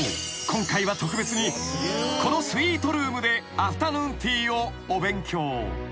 今回は特別にこのスイートルームでアフタヌーンティーをお勉強］